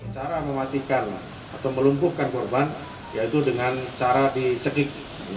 cara mematikan atau melumpuhkan korban yaitu dengan cara dicedik